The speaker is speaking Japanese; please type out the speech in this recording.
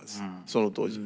その当時。